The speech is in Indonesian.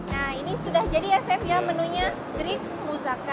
nah ini sudah jadi ya saif ya menunya greek moussaka